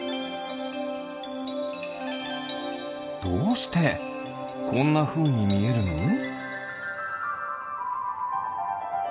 どうしてこんなふうにみえるの？